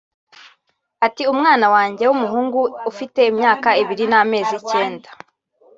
Ati “ Umwana wanjye w’umuhungu ufite imyaka ibiri n’amezi icyenda